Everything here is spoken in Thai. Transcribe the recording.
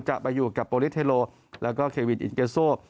จะไปอยู่กับโปรลิสเฮโรและเควินอินเกซโซ